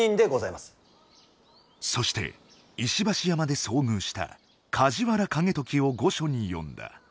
そして石橋山で遭遇した梶原景時を御所に呼んだ。